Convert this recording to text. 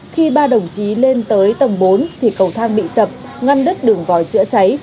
khi ba đồng chí lên tới tầng bốn thì cầu thang bị sập ngăn đứt đường gòi chữa cháy